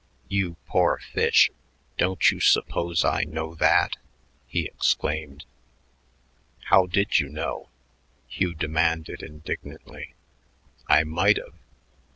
"You poor fish; don't you suppose I know that?" he exclaimed. "How did you know?" Hugh demanded indignantly. "I might've.